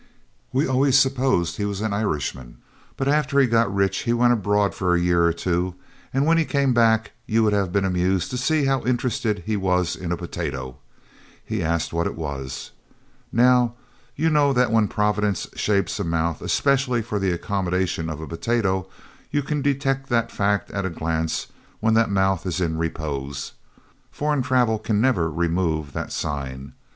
We always supposed he was an Irishman, but after he got rich he went abroad for a year or two, and when he came back you would have been amused to see how interested he was in a potato. He asked what it was! Now you know that when Providence shapes a mouth especially for the accommodation of a potato you can detect that fact at a glance when that mouth is in repose foreign travel can never remove that sign.